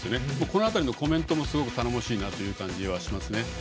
この辺りのコメントもすごく頼もしいなという感じがしますね。